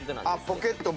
ポケット